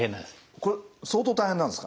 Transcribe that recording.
これ相当大変なんですか？